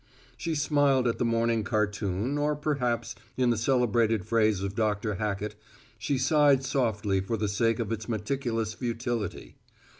She smiled at the morning cartoon or perhaps, in the celebrated phrase of Dr. Hackett, she sighed softly for the sake of its meticulous futility.